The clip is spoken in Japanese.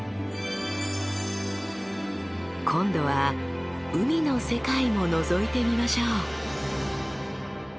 今度は海の世界ものぞいてみましょう！